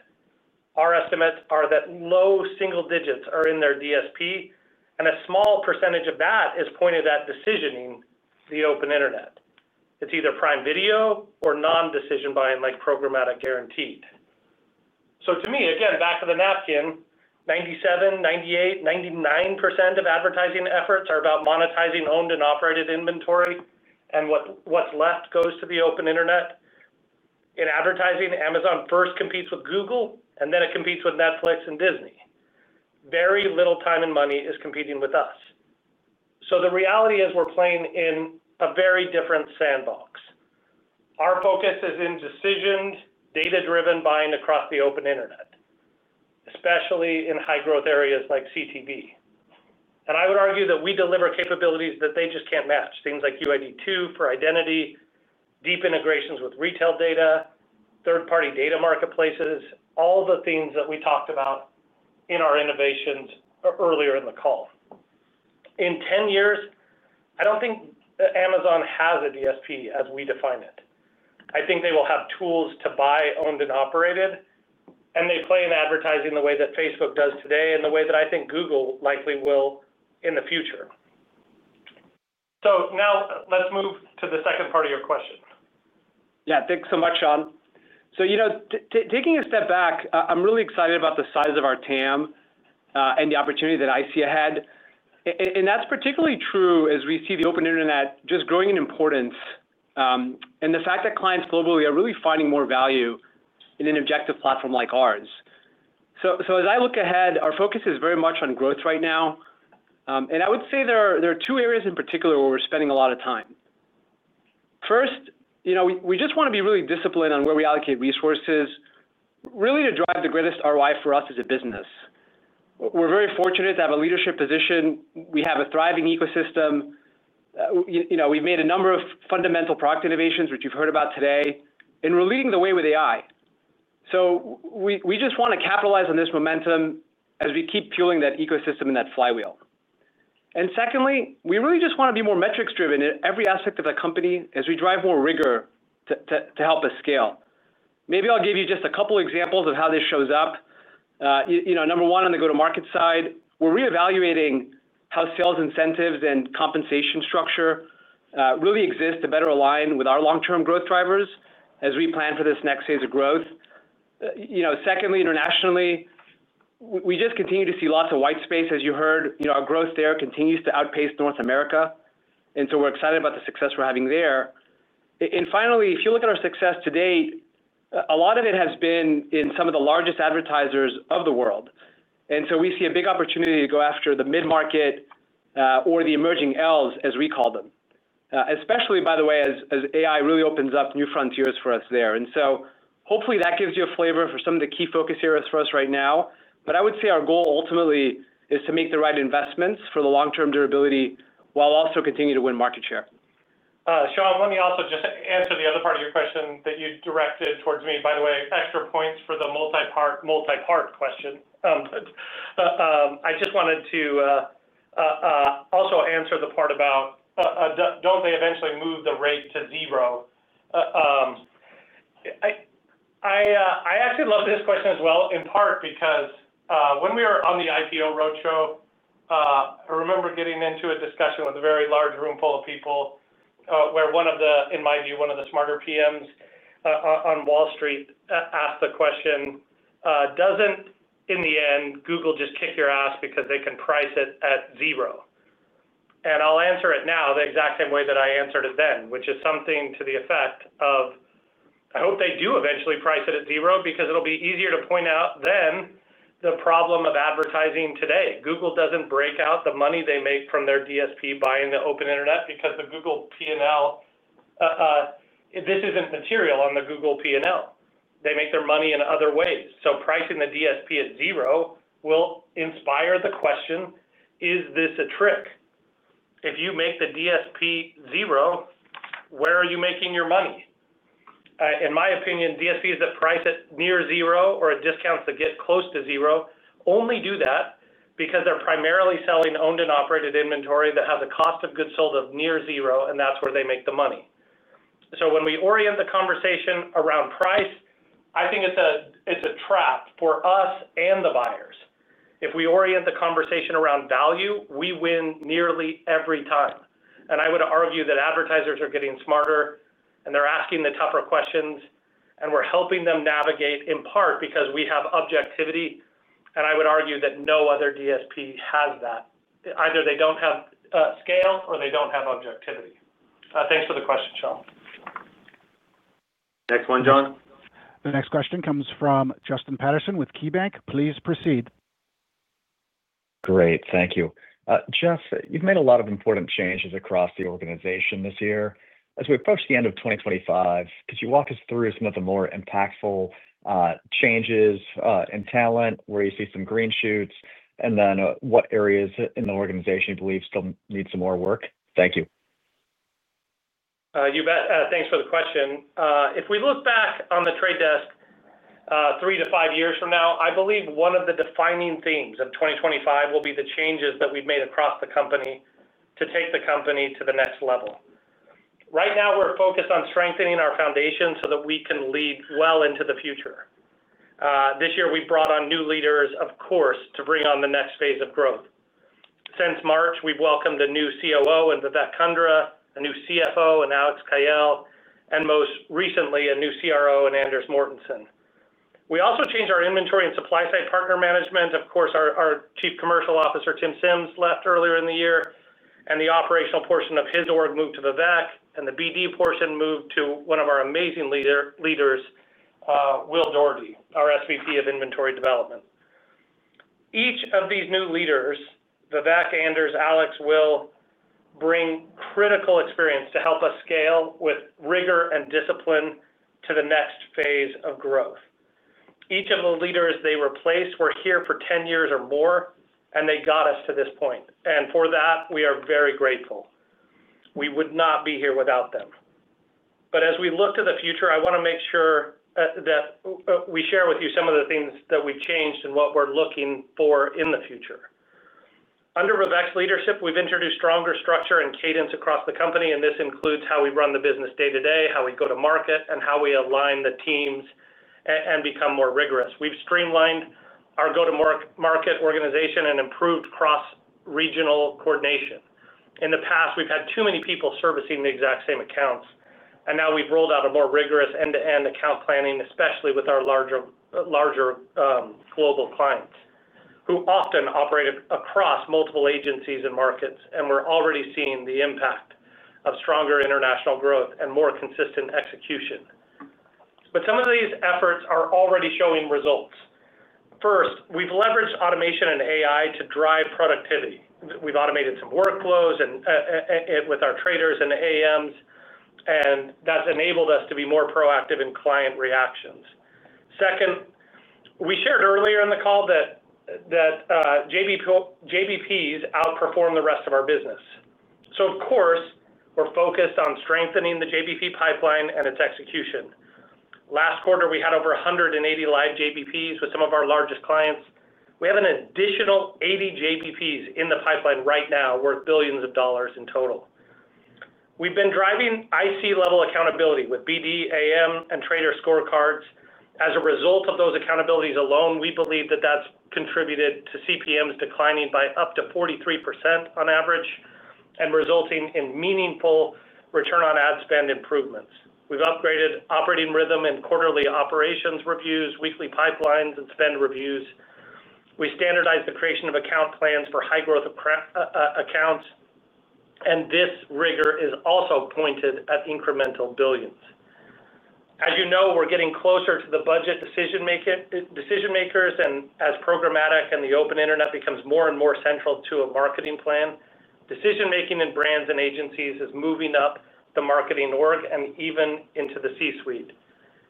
Our estimates are that low single digits are in their DSP, and a small percentage of that is pointed at decisioning the open internet. It is either Prime Video or non-decision buying like programmatic guaranteed. To me, again, back to the napkin, 97%, 98%, 99% of advertising efforts are about monetizing owned and operated inventory, and what is left goes to the open internet. In advertising, Amazon first competes with Google, and then it competes with Netflix and Disney. Very little time and money is competing with us. The reality is we're playing in a very different sandbox. Our focus is in decisioned, data-driven buying across the open internet, especially in high-growth areas like CTV. I would argue that we deliver capabilities that they just can't match, things like UID2 for identity, deep integrations with retail data, third-party data marketplaces, all the things that we talked about in our innovations earlier in the call. In 10 years, I don't think Amazon has a DSP as we define it. I think they will have tools to buy owned and operated, and they play in advertising the way that Facebook does today and the way that I think Google likely will in the future. Now let's move to the second part of your question. Yeah, thanks so much, Shyam. Taking a step back, I'm really excited about the size of our TAM. And the opportunity that I see ahead. That's particularly true as we see the open internet just growing in importance. The fact that clients globally are really finding more value in an objective platform like ours. As I look ahead, our focus is very much on growth right now. I would say there are two areas in particular where we're spending a lot of time. First, we just want to be really disciplined on where we allocate resources, really to drive the greatest ROI for us as a business. We're very fortunate to have a leadership position. We have a thriving ecosystem. We've made a number of fundamental product innovations, which you've heard about today, and we're leading the way with AI. We just want to capitalize on this momentum as we keep fueling that ecosystem and that flywheel. Secondly, we really just want to be more metrics-driven in every aspect of the company as we drive more rigor to help us scale. Maybe I'll give you just a couple of examples of how this shows up. Number one, on the go-to-market side, we're reevaluating how sales incentives and compensation structure really exist to better align with our long-term growth drivers as we plan for this next phase of growth. Secondly, internationally, we just continue to see lots of white space, as you heard. Our growth there continues to outpace North America, and we are excited about the success we're having there. Finally, if you look at our success to date, a lot of it has been in some of the largest advertisers of the world. We see a big opportunity to go after the mid-market. Or the emerging elves, as we call them, especially, by the way, as AI really opens up new frontiers for us there. Hopefully that gives you a flavor for some of the key focus areas for us right now. I would say our goal ultimately is to make the right investments for the long-term durability while also continuing to win market share. Shyam, let me also just answer the other part of your question that you directed towards me, by the way, extra points for the multi-part question. I just wanted to also answer the part about, do not they eventually move the rate to zero? I actually love this question as well, in part because when we were on the IPO roadshow. I remember getting into a discussion with a very large room full of people, where one of the, in my view, one of the smarter PMs on Wall Street asked the question, "Doesn't, in the end, Google just kick your ass because they can price it at zero?" I'll answer it now the exact same way that I answered it then, which is something to the effect of, "I hope they do eventually price it at zero because it will be easier to point out than the problem of advertising today. Google doesn't break out the money they make from their DSP buying the open internet because the Google P&L, this isn't material on the Google P&L. They make their money in other ways. Pricing the DSP at zero will inspire the question, 'Is this a trick?' If you make the DSP zero, where are you making your money? In my opinion, DSPs that price it near zero or at discounts that get close to zero only do that because they're primarily selling owned and operated inventory that has a cost of goods sold of near zero, and that's where they make the money. When we orient the conversation around price, I think it's a trap for us and the buyers. If we orient the conversation around value, we win nearly every time. I would argue that advertisers are getting smarter, and they're asking the tougher questions, and we're helping them navigate in part because we have objectivity. I would argue that no other DSP has that. Either they don't have scale or they don't have objectivity. Thanks for the question, Shyam. Next one, John. The next question comes from Justin Patterson with KeyBanc. Please proceed. Great. Thank you. Jeff, you've made a lot of important changes across the organization this year. As we approach the end of 2025, could you walk us through some of the more impactful changes in talent where you see some green shoots, and then what areas in the organization you believe still need some more work? Thank you. You bet. Thanks for the question. If we look back on The Trade Desk three to five years from now, I believe one of the defining themes of 2025 will be the changes that we've made across the company to take the company to the next level. Right now, we're focused on strengthening our foundation so that we can lead well into the future. This year, we brought on new leaders, of course, to bring on the next phase of growth. Since March, we've welcomed a new COO in Vivek Kundra, a new CFO in Alex Kayyal, and most recently, a new CRO in Anders Mortensen. We also changed our inventory and supply-side partner management. Of course, our Chief Commercial Officer, Tim Sims, left earlier in the year, and the operational portion of his org moved to Vivek, and the BD portion moved to one of our amazing leaders, Will Doherty, our SVP of Inventory Development. Each of these new leaders, Vivek, Anders, Alex, Will, bring critical experience to help us scale with rigor and discipline to the next phase of growth. Each of the leaders they replaced were here for 10 years or more, and they got us to this point. For that, we are very grateful. We would not be here without them. As we look to the future, I want to make sure that we share with you some of the things that we've changed and what we're looking for in the future. Under Vivek's leadership, we've introduced stronger structure and cadence across the company, and this includes how we run the business day-to-day, how we go to market, and how we align the teams and become more rigorous. We've streamlined our go-to-market organization and improved cross-regional coordination. In the past, we've had too many people servicing the exact same accounts, and now we've rolled out a more rigorous end-to-end account planning, especially with our larger global clients who often operate across multiple agencies and markets, and we're already seeing the impact of stronger international growth and more consistent execution. Some of these efforts are already showing results. First, we've leveraged automation and AI to drive productivity. We've automated some workflows with our traders and AMs, and that's enabled us to be more proactive in client reactions. Second. We shared earlier in the call that JBPs outperform the rest of our business. Of course, we're focused on strengthening the JBP pipeline and its execution. Last quarter, we had over 180 live JBPs with some of our largest clients. We have an additional 80 JBPs in the pipeline right now worth billions of dollars in total. We've been driving IC-level accountability with BD, AM, and trader scorecards. As a result of those accountabilities alone, we believe that that's contributed to CPMs declining by up to 43% on average and resulting in meaningful return on ad spend improvements. We've upgraded operating rhythm and quarterly operations reviews, weekly pipelines, and spend reviews. We standardized the creation of account plans for high-growth accounts. This rigor is also pointed at incremental billions. As you know, we're getting closer to the budget. Decision-makers, and as programmatic and the open internet becomes more and more central to a marketing plan, decision-making in brands and agencies is moving up the marketing org and even into the C-suite.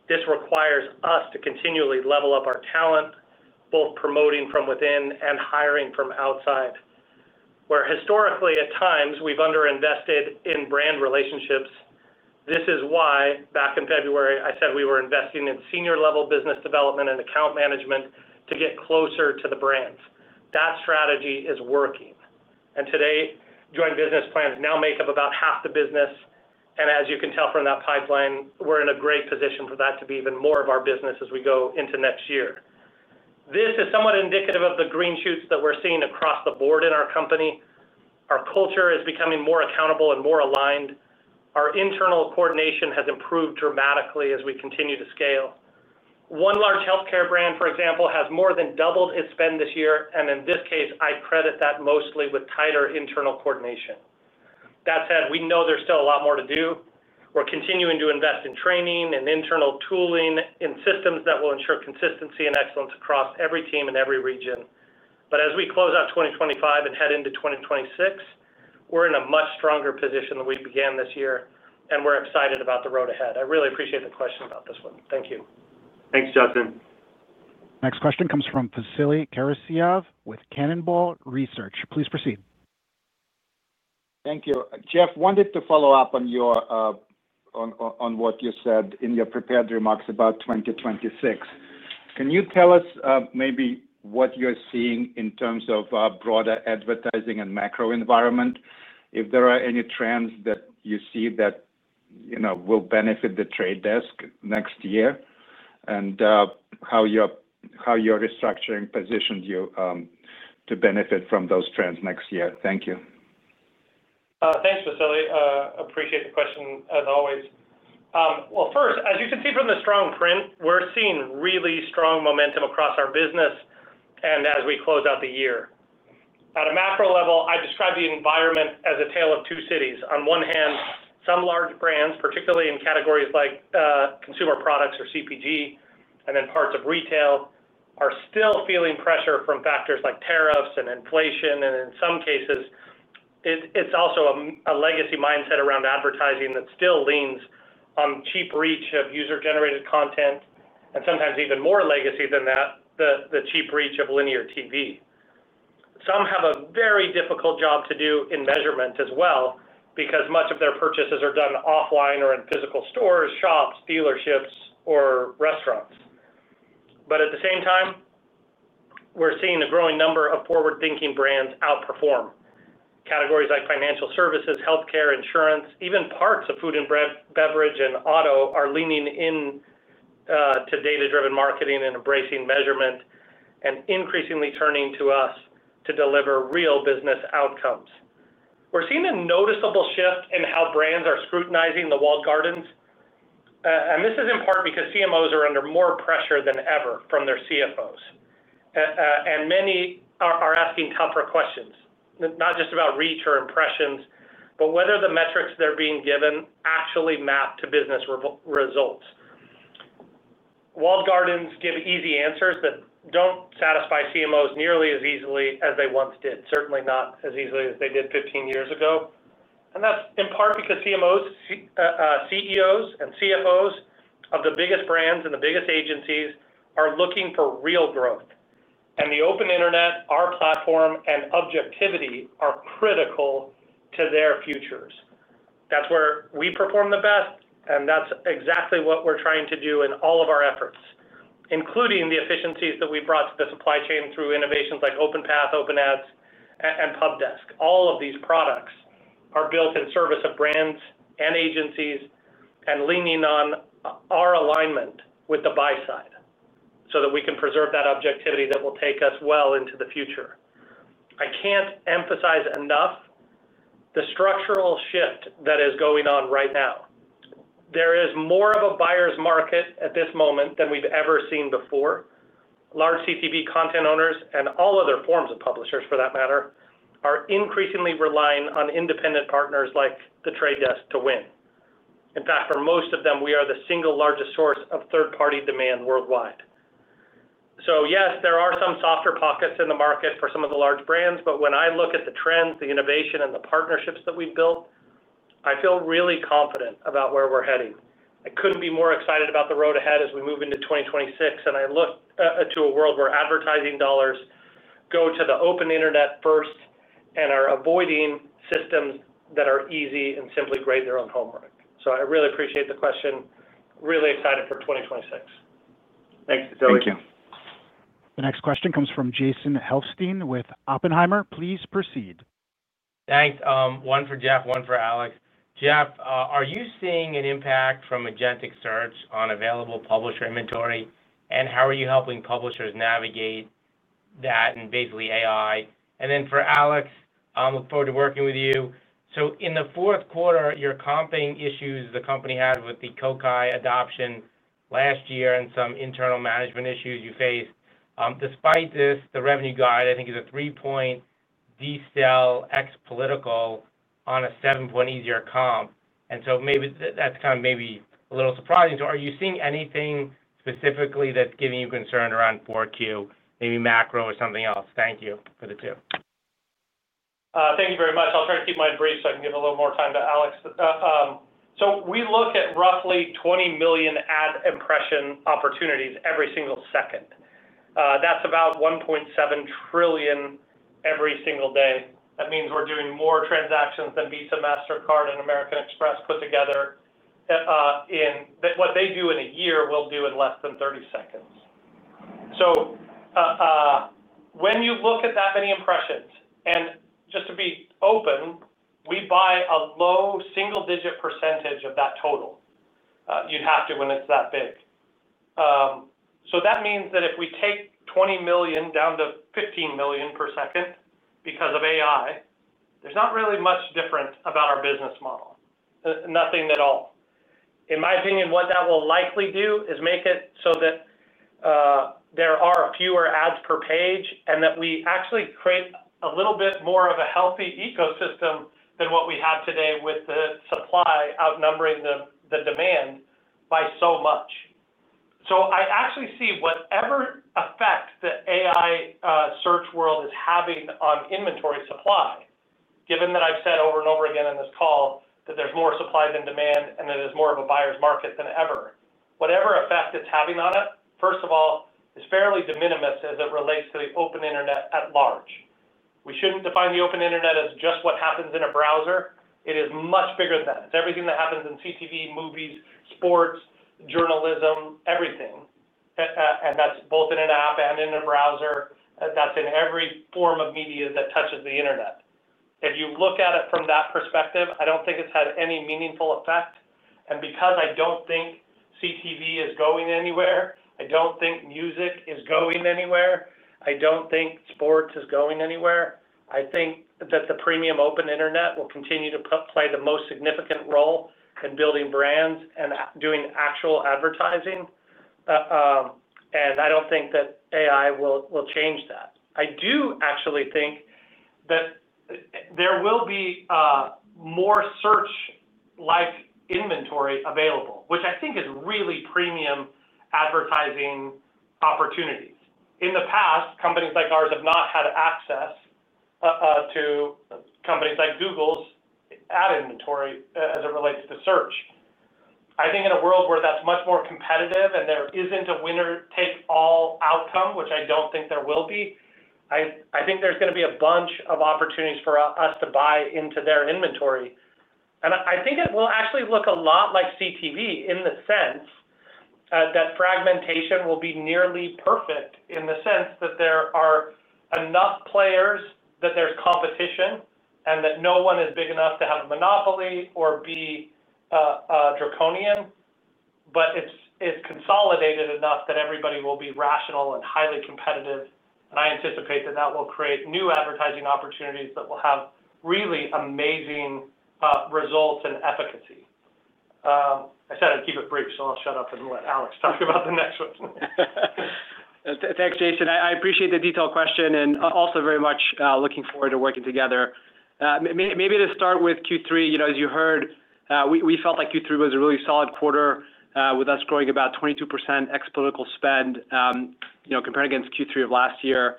This requires us to continually level up our talent, both promoting from within and hiring from outside. Where historically, at times, we've underinvested in brand relationships, this is why back in February, I said we were investing in senior-level business development and account management to get closer to the brands. That strategy is working. Today, joint business plans now make up about half the business. As you can tell from that pipeline, we're in a great position for that to be even more of our business as we go into next year. This is somewhat indicative of the green shoots that we're seeing across the board in our company. Our culture is becoming more accountable and more aligned. Our internal coordination has improved dramatically as we continue to scale. One large healthcare brand, for example, has more than doubled its spend this year, and in this case, I credit that mostly with tighter internal coordination. That said, we know there's still a lot more to do. We're continuing to invest in training and internal tooling and systems that will ensure consistency and excellence across every team and every region. As we close out 2025 and head into 2026, we're in a much stronger position than we began this year, and we're excited about the road ahead. I really appreciate the question about this one. Thank you. Thanks, Justin. Next question comes from Vasily Karasyov with Cannonball Research. Please proceed. Thank you. Jeff, wanted to follow up on what you said in your prepared remarks about 2026. Can you tell us maybe what you're seeing in terms of broader advertising and macro environment, if there are any trends that you see that will benefit The Trade Desk next year, and how your restructuring positions you to benefit from those trends next year? Thank you. Thanks, Vasily. Appreciate the question as always. First, as you can see from the strong print, we're seeing really strong momentum across our business. As we close out the year, at a macro level, I describe the environment as a tale of two cities. On one hand, some large brands, particularly in categories like consumer products or CPG, and then parts of retail, are still feeling pressure from factors like tariffs and inflation. In some cases, it's also a legacy mindset around advertising that still leans on cheap reach of user-generated content, and sometimes even more legacy than that, the cheap reach of linear TV. Some have a very difficult job to do in measurement as well because much of their purchases are done offline or in physical stores, shops, dealerships, or restaurants. At the same time, we're seeing a growing number of forward-thinking brands outperform. Categories like financial services, healthcare, insurance, even parts of food and beverage and auto are leaning in to data-driven marketing and embracing measurement and increasingly turning to us to deliver real business outcomes. We're seeing a noticeable shift in how brands are scrutinizing the walled gardens. This is in part because CMOs are under more pressure than ever from their CFOs. Many are asking tougher questions, not just about reach or impressions, but whether the metrics they're being given actually map to business results. Walled gardens give easy answers that do not satisfy CMOs nearly as easily as they once did, certainly not as easily as they did 15 years ago. That is in part because CMOs, CEOs, and CFOs of the biggest brands and the biggest agencies are looking for real growth. The open internet, our platform, and objectivity are critical to their futures. That is where we perform the best, and that is exactly what we are trying to do in all of our efforts, including the efficiencies that we brought to the supply chain through innovations like OpenPath, OpenAds, and PubDesk. All of these products are built in service of brands and agencies and leaning on our alignment with the buy-side so that we can preserve that objectivity that will take us well into the future. I can't emphasize enough. The structural shift that is going on right now. There is more of a buyer's market at this moment than we've ever seen before. Large CTV content owners and all other forms of publishers, for that matter, are increasingly relying on independent partners like The Trade Desk to win. In fact, for most of them, we are the single largest source of third-party demand worldwide. So yes, there are some softer pockets in the market for some of the large brands, but when I look at the trends, the innovation, and the partnerships that we've built, I feel really confident about where we're heading. I could not be more excited about the road ahead as we move into 2026, and I look to a world where advertising dollars go to the open internet first and are avoiding systems that are easy and simply grade their own homework. I really appreciate the question. Really excited for 2026. Thanks, Vasily. Thank you. The next question comes from Jason Helfstein with Oppenheimer. Please proceed. Thanks. One for Jeff, one for Alex. Jeff, are you seeing an impact from Agnetic search on available publisher inventory, and how are you helping publishers navigate that and basically AI? And then for Alex, I look forward to working with you. In the fourth quarter, your comping issues the company had with the Kokai adoption last year and some internal management issues you faced. Despite this, the revenue guide, I think, is a three-point. Destell ex-political on a seven-point easier comp. Maybe that's kind of maybe a little surprising. Are you seeing anything specifically that's giving you concern around 4Q, maybe macro or something else? Thank you for the two. Thank you very much. I'll try to keep mine brief so I can give a little more time to Alex. We look at roughly 20 million ad impression opportunities every single second. That's about 1.7 trillion every single day. That means we're doing more transactions than Visa, Mastercard, and American Express put together. In what they do in a year, we'll do in less than 30 seconds. When you look at that many impressions, and just to be open, we buy a low single-digit percentage of that total. You'd have to when it's that big. That means that if we take 20 million down to 15 million per second because of AI, there's not really much different about our business model. Nothing at all. In my opinion, what that will likely do is make it so that there are fewer ads per page and that we actually create a little bit more of a healthy ecosystem than what we have today with the supply outnumbering the demand by so much. I actually see whatever effect the AI search world is having on inventory supply, given that I've said over and over again in this call that there's more supply than demand and that it is more of a buyer's market than ever. Whatever effect it's having on it, first of all, is fairly de minimis as it relates to the open internet at large. We shouldn't define the open internet as just what happens in a browser. It is much bigger than that. It's everything that happens in CTV, movies, sports, journalism, everything. That is both in an app and in a browser. That is in every form of media that touches the internet. If you look at it from that perspective, I don't think it's had any meaningful effect. Because I don't think CTV is going anywhere, I don't think music is going anywhere. I don't think sports is going anywhere. I think that the premium open internet will continue to play the most significant role in building brands and doing actual advertising. I don't think that AI will change that. I do actually think that there will be more search-like inventory available, which I think is really premium advertising opportunities. In the past, companies like ours have not had access. To companies like Google's ad inventory as it relates to search. I think in a world where that's much more competitive and there isn't a winner-take-all outcome, which I don't think there will be, I think there's going to be a bunch of opportunities for us to buy into their inventory. I think it will actually look a lot like CTV in the sense that fragmentation will be nearly perfect in the sense that there are enough players, that there's competition, and that no one is big enough to have a monopoly or be a draconian, but it's consolidated enough that everybody will be rational and highly competitive. I anticipate that that will create new advertising opportunities that will have really amazing results and efficacy. I said I'd keep it brief, so I'll shut up and let Alex talk about the next one. Thanks, Jason. I appreciate the detailed question and also very much looking forward to working together. Maybe to start with Q3, as you heard, we felt like Q3 was a really solid quarter with us growing about 22% ex-political spend. Compared against Q3 of last year.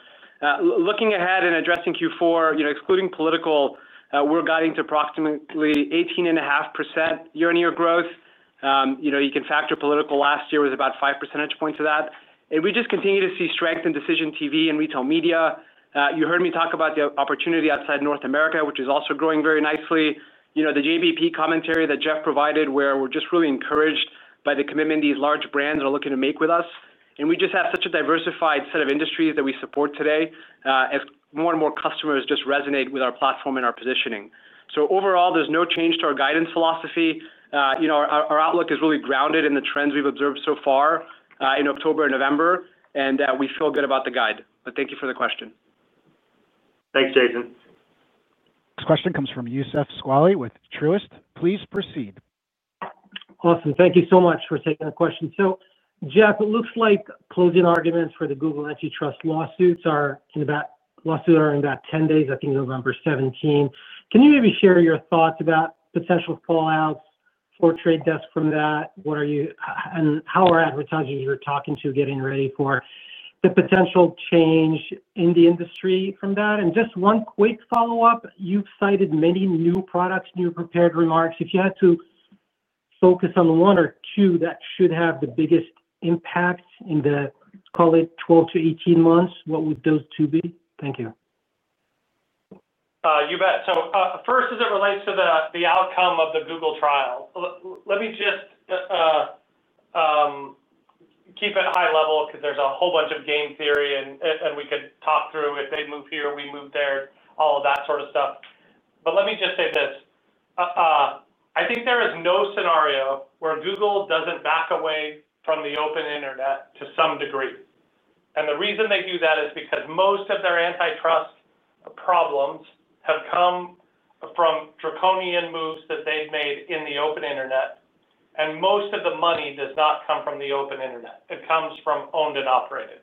Looking ahead and addressing Q4, excluding political, we're guiding to approximately 18.5% year-on-year growth. You can factor political last year was about 5 percentage points of that. We just continue to see strength in decision TV and retail media. You heard me talk about the opportunity outside North America, which is also growing very nicely. The JBP commentary that Jeff provided where we're just really encouraged by the commitment these large brands are looking to make with us. We just have such a diversified set of industries that we support today as more and more customers just resonate with our platform and our positioning. So overall, there's no change to our guidance philosophy. Our outlook is really grounded in the trends we've observed so far in October and November, and we feel good about the guide. Thank you for the question. Thanks, Jason. Next question comes from Youssef Squali with Truist. Please proceed. Awesome. Thank you so much for taking the question. So, Jeff, it looks like closing arguments for the Google Antitrust lawsuits are in about 10 days, I think November 17. Can you maybe share your thoughts about potential fallouts for Trade Desk from that? How are advertisers you're talking to getting ready for the potential change in the industry from that? Just one quick follow-up. You've cited many new products in your prepared remarks. If you had to. Focus on one or two that should have the biggest impact in the, call it, 12 months-18 months, what would those two be? Thank you. You bet. First, as it relates to the outcome of the Google trial, let me just keep it high level because there's a whole bunch of game theory, and we could talk through if they move here, we move there, all of that sort of stuff. Let me just say this. I think there is no scenario where Google does not back away from the open internet to some degree. The reason they do that is because most of their antitrust problems have come from draconian moves that they have made in the open internet. Most of the money does not come from the open internet. It comes from owned and operated.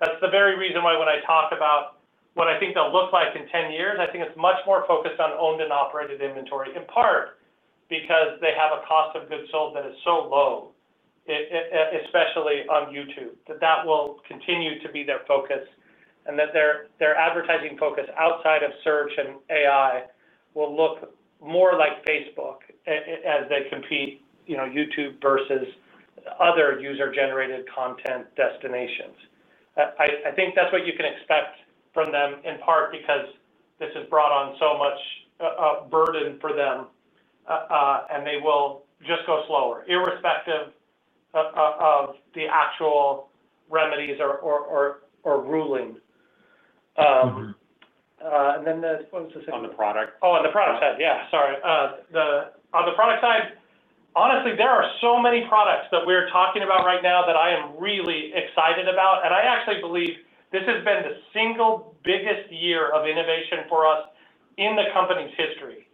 That's the very reason why when I talk about what I think they'll look like in 10 years, I think it's much more focused on owned and operated inventory, in part because they have a cost of goods sold that is so low. Especially on YouTube, that will continue to be their focus and that their advertising focus outside of search and AI will look more like Facebook as they compete YouTube versus other user-generated content destinations. I think that's what you can expect from them, in part because this has brought on so much burden for them, and they will just go slower, irrespective of the actual remedies or ruling. What was the second? On the product. Oh, on the product side. Yeah, sorry. On the product side, honestly, there are so many products that we're talking about right now that I am really excited about. I actually believe this has been the single biggest year of innovation for us in the company's history.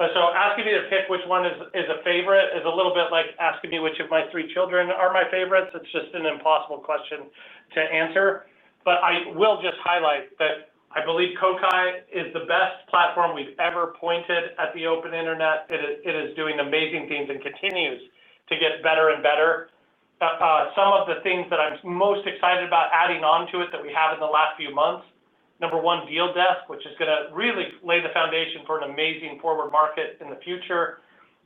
Asking me to pick which one is a favorite is a little bit like asking me which of my three children are my favorites. It's just an impossible question to answer. I will just highlight that I believe Kokai is the best platform we've ever pointed at the open internet. It is doing amazing things and continues to get better and better. Some of the things that I'm most excited about adding on to it that we have in the last few months, number one, Deal Desk, which is going to really lay the foundation for an amazing forward market in the future.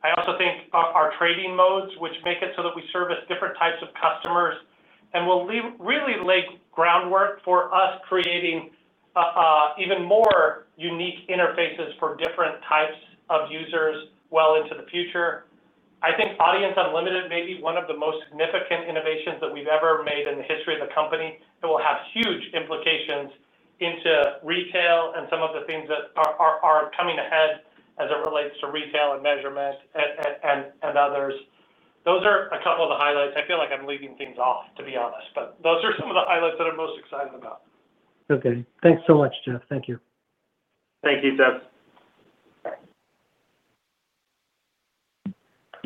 I also think our trading modes, which make it so that we service different types of customers, and will really lay groundwork for us creating. Even more unique interfaces for different types of users well into the future. I think Audience Unlimited may be one of the most significant innovations that we've ever made in the history of the company. It will have huge implications into retail and some of the things that are coming ahead as it relates to retail and measurement and others. Those are a couple of the highlights. I feel like I'm leaving things off, to be honest, but those are some of the highlights that I'm most excited about. Okay. Thanks so much, Jeff. Thank you. Thank you, Jeff.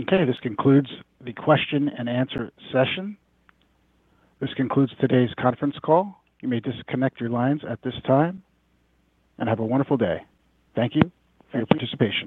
Okay. This concludes the question and answer session. This concludes today's conference call. You may disconnect your lines at this time. Have a wonderful day. Thank you for your participation.